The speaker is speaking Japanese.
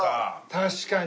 確かに。